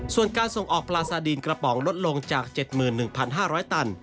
ส่วนการส่งออกปลาซาดีนกระป๋องลดลงจาก๗๑๕๐๐ตัน